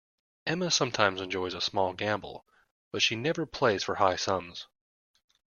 Emma sometimes enjoys a small gamble, but she never plays for high sums